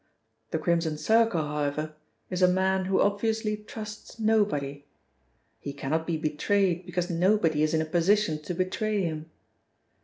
The Crimson Circle, however, is a man who obviously trusts nobody. He cannot be betrayed because nobody is in a position to betray him.